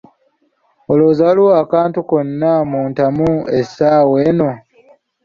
Olowooza waliwo akantu konna mu ntamu essaawa eno.